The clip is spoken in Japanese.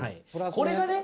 これがね